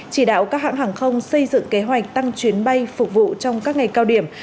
chỉ đạo các hãng hàng không xây dựng kế hoạch tăng chuyến bay phục vụ trong các ngày cao điểm